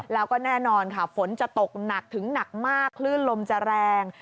แล้วก็แน่นอนค่ะฝนจะตกหนักถึงหนักมากคลื่นลมจะแรง